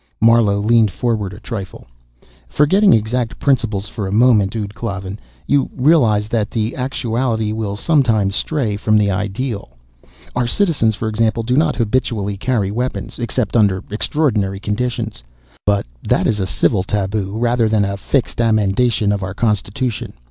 Marlowe leaned forward a trifle. "Forgetting exact principles for a moment, ud Klavan, you realize that the actuality will sometimes stray from the ideal. Our citizens, for example, do not habitually carry weapons except under extraordinary conditions. But that is a civil taboo, rather than a fixed amendation of our constitution.